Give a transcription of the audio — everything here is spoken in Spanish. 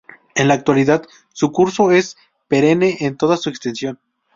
En la actualidad, su curso es perenne en toda su extensión.